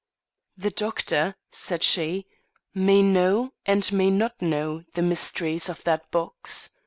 "The doctor," said she, "may know, and may not know, the mysteries of that box.